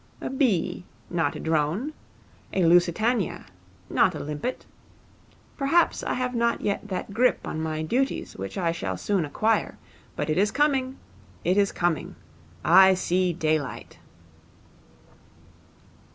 A bee, not a drone. A Lusitania, not a limpet. Perhaps I have not yet that grip on my duties which I shall soon acquire; but it is coming. It is coming. I see daylight.'